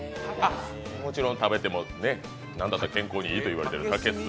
もちろん食べても、何だったら健康にいいと言われている竹炭。